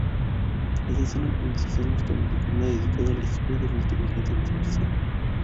Es una organización norteamericana dedicada al estudio de la inteligencia artificial.